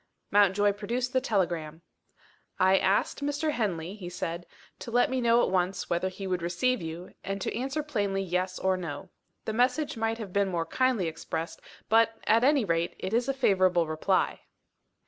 Mountjoy produced the telegram. "I asked Mr. Henley," he said, "to let me know at once whether he would receive you, and to answer plainly Yes or No. The message might have been more kindly expressed but, at any rate, it is a favourable reply."